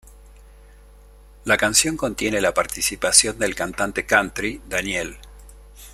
La canción contiene la participación del cantante country Daniel.